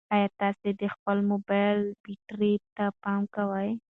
ایا تاسي د خپل موبایل بیټرۍ ته پام کوئ؟